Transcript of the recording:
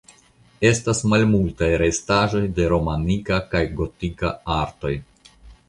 Estas malmultaj restaĵoj de romanika kaj gotika artoj.